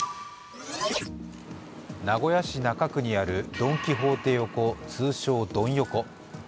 名古屋市中区にあるドン・キホーテ横、通称・ドン横。